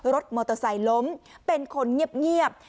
รถมอเตอร์ไซค์ล้มเป็นคนเงียบ